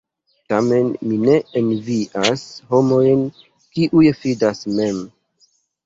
Tamen mi ne envias homojn, kiuj fidas mem.